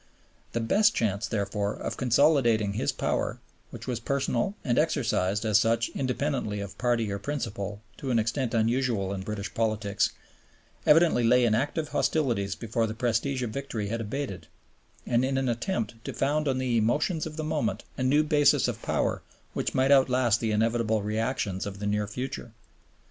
The best chance, therefore, of consolidating his power, which was personal and exercised, as such, independently of party or principle, to an extent unusual in British politics, evidently lay in active hostilities before the prestige of victory had abated, and in an attempt to found on the emotions of the moment a new basis of power which might outlast the inevitable reactions of the near future.